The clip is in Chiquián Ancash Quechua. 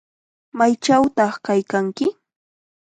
¿Maychawtaq kaykanki?